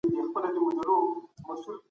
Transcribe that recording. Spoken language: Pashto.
دوی بېلابېلې ټولني موږ ته راپېژني.